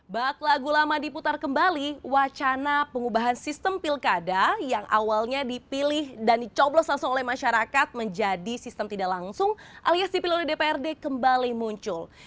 bat lagu lama diputar kembali wacana pengubahan sistem pilkada yang awalnya dipilih dan dicoblos langsung oleh masyarakat menjadi sistem tidak langsung alias dipilih oleh dprd kembali muncul